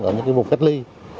ở những vùng cách ly